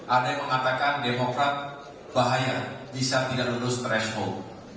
ada yang mengatakan demokrat bahaya bisa tidak lulus threshold